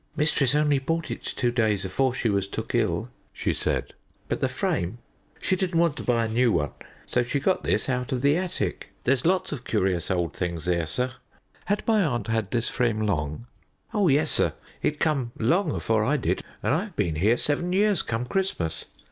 "Mistress only bought it two days afore she was took ill," she said; "but the frame she didn't want to buy a new one so she got this out of the attic. There's lots of curious old things there, sir." "Had my aunt had this frame long?" "Oh yes, sir. It come long afore I did, and I've been here seven years come Christmas.